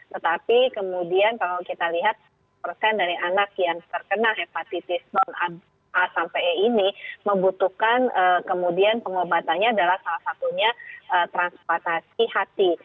tetapi kemudian kalau kita lihat persen dari anak yang terkena hepatitis non a sampai e ini membutuhkan kemudian pengobatannya adalah salah satunya transportasi hati